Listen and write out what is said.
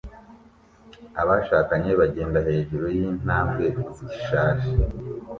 Abashakanye bagenda hejuru yintambwe zishaje